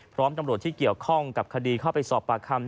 พร้อมตำรวจที่เกี่ยวข้องกับคดีเข้าไปสอบปากคำ